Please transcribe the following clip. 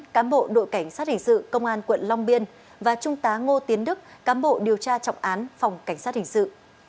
cám bộ đội cảnh sát hình sự công an quận long biên và trung tá ngô tiến đức cám bộ điều tra trọng án phòng cảnh sát hình sự